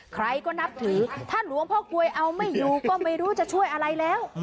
ใครก็นับถือถ้าหลวงพ่อกลวยเอาไม่อยู่ก็ไม่รู้จะช่วยอะไรแล้ว